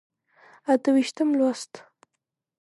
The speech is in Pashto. اته ویشتم لوست.